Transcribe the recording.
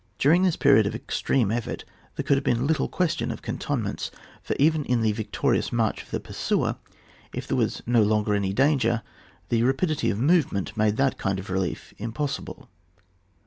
During this period of extreme effort there could be little question of cantonments, for even in the victorious march of the pursuer, if there was no longer any dan ger, the rapidity of movement made that kind of relief impossible.